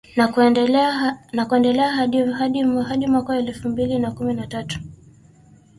na kuendelea hadi mwaka elfu mbili na kumi na tatu